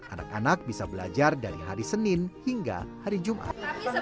anak anak bisa belajar dari hari senin hingga hari jumat